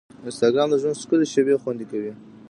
انسټاګرام د ژوند ښکلي شېبې خوندي کوي.